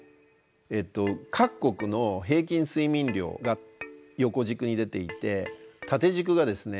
各国の平均睡眠量が横軸に出ていて縦軸がですね